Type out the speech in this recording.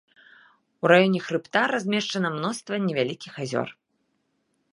У раёне хрыбта размешчана мноства невялікіх азёр.